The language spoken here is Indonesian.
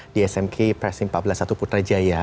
di smk presimp empat belas satu putrajaya